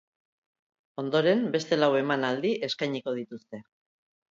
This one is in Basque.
Ondoren, beste lau emanaldi eskainiko dituzte.